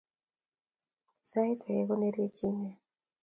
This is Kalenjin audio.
Sait age konerechi ine